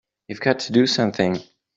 You've got to do something!